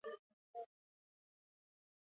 Herriak ez badu nahi, ez gara independenteak izango.